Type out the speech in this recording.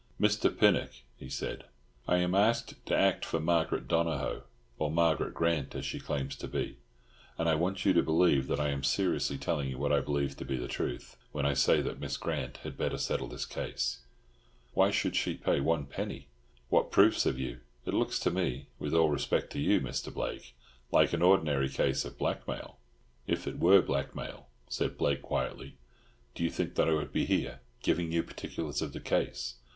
"Mr. Pinnock," he said, "I am asked to act for Margaret Donohoe, or Margaret Grant as she claims to be; and I want you to believe that I am seriously telling you what I believe to be the truth, when I say that Miss Grant had better settle this case." "Why should she pay one penny? What proofs have you? It looks to me, with all respect to you, Mr. Blake, like an ordinary case of blackmail." "If it were blackmail," said Blake quietly, "do you think that I would be here, giving you particulars of the case?